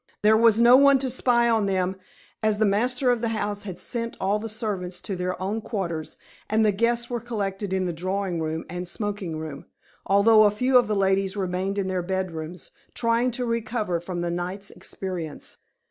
There was no one to spy on them, as the master of the house had sent all the servants to their own quarters, and the guests were collected in the drawing room and smoking room, although a few of the ladies remained in their bedrooms, trying to recover from the night's experience.